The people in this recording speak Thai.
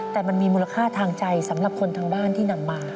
แต่มันมีมูลค่าทางใจสำหรับคนทางบ้านที่นำมา